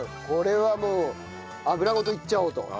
これはもう油ごといっちゃおうと。